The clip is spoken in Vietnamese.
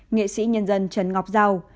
nghệ sĩ nhân dân trần ngọc giàu